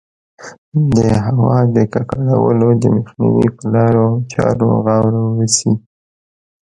د هوا د ککړولو د مخنیوي په لارو چارو غور وشي.